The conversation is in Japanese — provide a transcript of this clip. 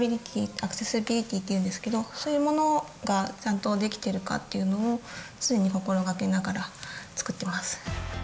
アクセシビリティっていうんですけどそういうものがちゃんとできてるかっていうのを常に心がけながら作ってます。